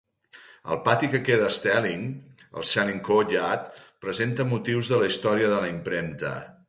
El pati que queda a Sterling, el Selin Courtyard, presenta motius de la història de la impremta.